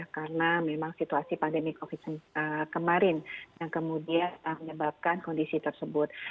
karena memang situasi pandemi covid sembilan belas kemarin yang kemudian menyebabkan kondisi tersebut